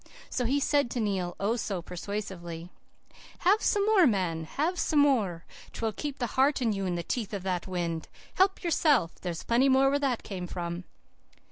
So he said to Neil, oh, so persuasively, "'Have some more, man, have some more. 'Twill keep the heart in you in the teeth of that wind. Help yourself. There's plenty more where that came from.